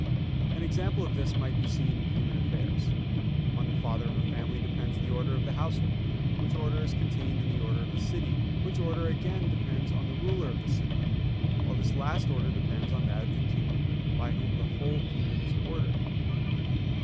An example of this may be seen in human affairs. On the father of a family depends the order of the household; which order is contained in the order of the city; which order again depends on the ruler of the city; while this last order depends on that of the king, by whom the whole kingdom is ordered.